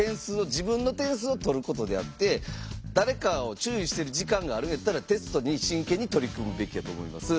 自分の点数をとることであって誰かを注意してる時間があるんやったらテストに真剣に取り組むべきやと思います。